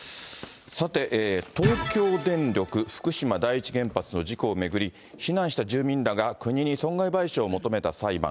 さて、東京電力福島第一原発の事故を巡り、避難した住民らが国に損害賠償を求めた裁判。